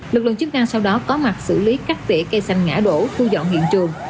lực lượng chức năng sau đó có mặt xử lý cắt tỉa cây xanh ngã đổ thu dọn hiện trường